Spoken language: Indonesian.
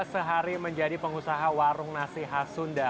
sehari menjadi pengusaha warung nasi hasunda